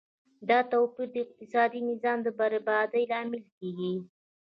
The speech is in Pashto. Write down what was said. دا توپیر د اقتصادي نظام د بربادۍ لامل کیږي.